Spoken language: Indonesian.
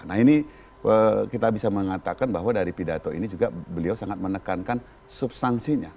nah ini kita bisa mengatakan bahwa dari pidato ini juga beliau sangat menekankan substansinya